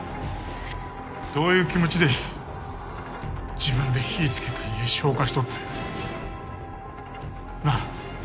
どういう気持ちで自分で火ぃつけた家消火しとったんや。なあ。